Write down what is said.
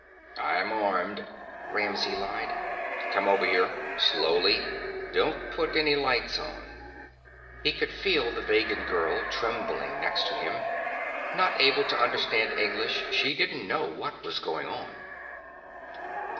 "I'm armed," Ramsey lied. "Come over here. Slowly. Don't put any lights on." He could feel the Vegan girl trembling next to him. Not able to understand English, she didn't know what was going on.